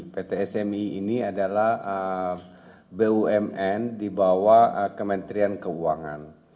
pt smi ini adalah bumn di bawah kementerian keuangan